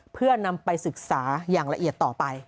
เพื่อนำไปศึกษาอย่างละเอียดต่อไป